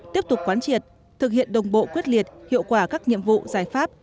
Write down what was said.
tiếp tục quán triệt thực hiện đồng bộ quyết liệt hiệu quả các nhiệm vụ giải pháp